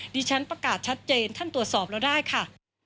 ฉันประกาศชัดเจนท่านตรวจสอบเราได้ค่ะ